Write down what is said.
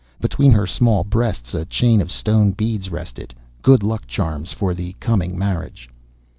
Between her small breasts a chain of stone beads rested, good luck charms for the coming marriage.